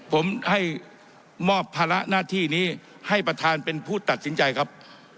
ผมให้มอบภาระหน้าที่นี้ให้ประธานเป็นผู้ตัดสินใจครับ